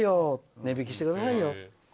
値引きしてくださいよ。